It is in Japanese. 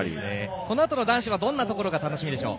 このあとの男子はどんなところが楽しみでしょう？